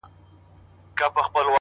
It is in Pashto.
د اله زار خبري ډېري ښې دي،